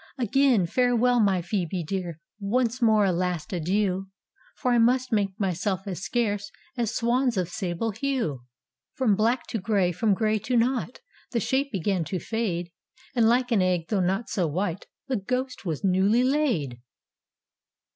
"Again, farewell, my Phoebe dear! Once more a last adieu I For I must make myself as scarce As swans of sable hue." From black to gray^ from gray to nought The shape began to fade — And like an egg, though not so white, Tlie ghost was newly laid